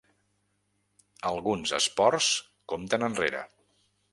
Alguns esports compten enrere.